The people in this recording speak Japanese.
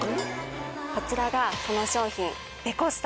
こちらがその商品。